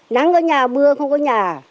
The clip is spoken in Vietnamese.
nắng ở nhà mưa không có nhà